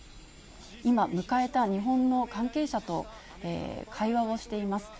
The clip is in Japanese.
今、迎えた日本の関係者と会話をしています。